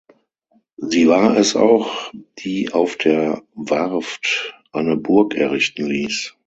Sie war es auch, die auf der Warft eine Burg errichten ließ.